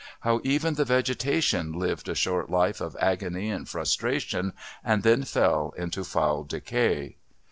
How even the vegetation lived a short life of agony and frustration, and then fell into foul decay....